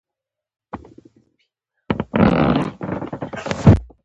ړانده وویل بچی د ځناور دی